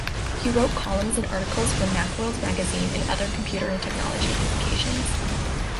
He wrote columns and articles for "Macworld" magazine and other computer and technology publications.